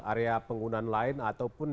area penggunaan lain ataupun